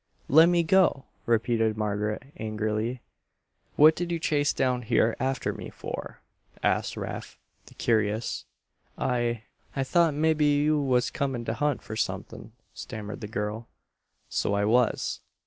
"Lemme go!" repeated Margaret, angrily. "What did you chase down here after me for?" asked Rafe, the curious. "I, I thought mebbe you was comin' to hunt for something," stammered the girl. "So I was.